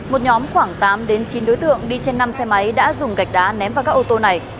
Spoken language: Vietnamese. một nhóm khoảng tám chín đối tượng đi trên năm xe máy đã dùng gạch đá ném vào các ô tô này